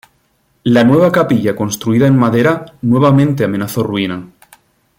La nueva capilla construida en madera nuevamente amenazó ruina.